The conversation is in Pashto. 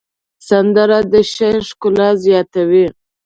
سندره د شعر ښکلا زیاتوي